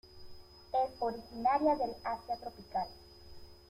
Es originaria del Asia tropical.